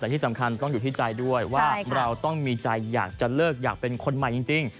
แต่ที่สำคัญต้องอยู่ที่ใจด้วยว่าเราต้องมีใจอยากจะเลิกอยากเป็นคนใหม่จริง